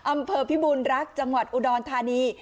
อำเภอพิบุลรักษ์มอุดรธารี